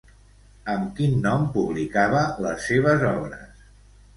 Amb quin nom publicava les seves obres?